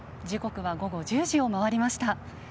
時刻は午後１０時を回りました。